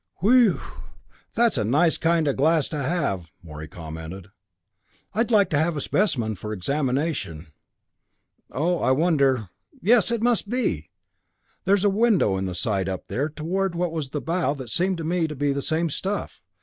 "Whewww that's a nice kind of glass to have!" Morey commented. "I'd like to have a specimen for examination. Oh I wonder yes, it must be! There's a window in the side up there toward what was the bow that seemed to me to be the same stuff.